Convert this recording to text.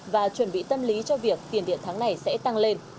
và chuẩn bị tâm lý cho việc tiền điện tháng này sẽ tăng lên